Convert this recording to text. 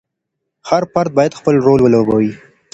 هر فرد باید خپل رول ولوبوي.